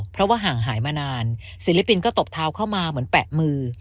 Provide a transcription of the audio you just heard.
เพราะว่าห่างหายมานานศิลปินก็ตบเท้าเข้ามาเหมือนแปะมือ